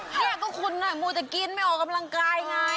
เนี่ยก็คุณมูแต่กินไม่ออกกำลังกายไง